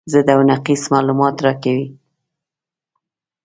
ضد او نقیض معلومات راکوي.